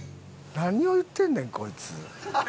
何を言ってんねんこいつ。